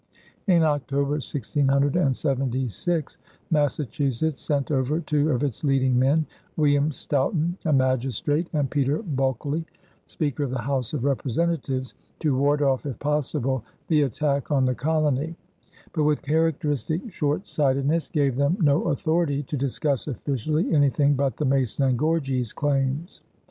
In October, 1676, Massachusetts sent over two of its leading men, William Stoughton, a magistrate, and Peter Bulkeley, speaker of the House of Representatives, to ward off, if possible, the attack on the colony, but with characteristic short sightedness gave them no authority to discuss officially anything but the Mason and Gorges claims.